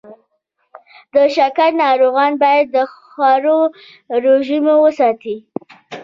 د شکر ناروغان باید د خوړو رژیم وساتي.